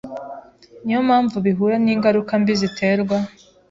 Niyo mpamvu bihura n’ingaruka mbi ziterwa